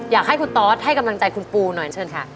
อยากให้คุณตอสให้กำลังใจคุณปูหน่อยเชิญค่ะ